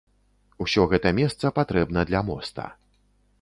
Усё гэта месца патрэбна для моста.